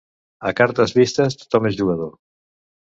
A cartes vistes tothom és jugador.